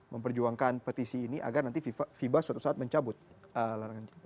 memperjuangkan petisi ini agar nanti fiba suatu saat mencabut larangan